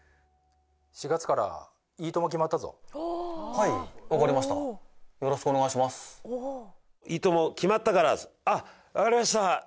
４月から「いいとも！」決まったぞはい分かりました